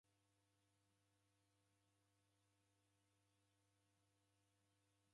Vua ikanya mpaka kuw'adie mboa-mboa.